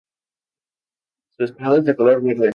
Su espada es de color verde.